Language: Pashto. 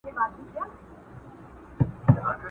روغ دې وزرونه پانوسونو ته به څه وایو!!